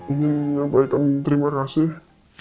ingin menyampaikan terima kasih